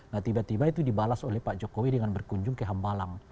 nah tiba tiba itu dibalas oleh pak jokowi dengan berkunjung ke hambalang